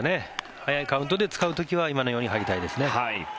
早いカウントで使う時は今のように入りたいですね。